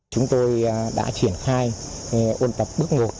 chúng tôi đã triển khai ôn tập bước một